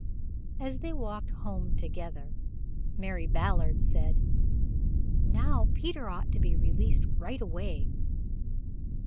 As they walked home together Mary Ballard said, "Now, Peter ought to be released right away."